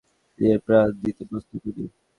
নিজের প্রাণ দিতে প্রস্তুত উনি।